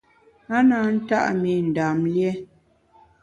A na nta’ mi Ndam lié.